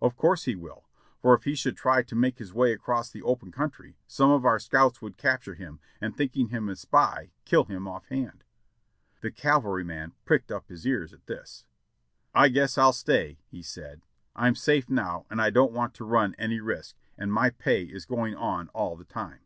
"Of course he will, for if he should try to make his way across the open country some of our scouts would capture him, and 634 JOHNNY ntB AND BILLY YANK thinking him a spy, kill him off hand." The cavalryman pricked up his ears at this. "I g^iess I'll stay," he said. "I'm safe now, and I don't want to run any risk, and my pay is going on all the time."